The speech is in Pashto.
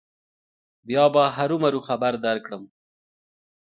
بیا به هرو مرو خبر کړم.